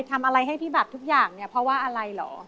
ทำอะไรให้พี่บัตรทุกอย่างเนี่ยเพราะว่าอะไรเหรอ